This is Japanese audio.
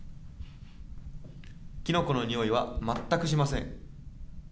キノコのにおいは全くしません。